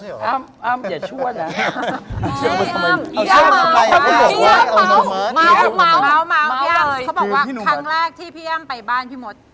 เขาบอกว่าครั้งแรกที่พี่อ้ำไปบ้านพี่มด